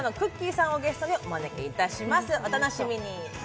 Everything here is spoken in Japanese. さんをゲストにお招きします、お楽しみに。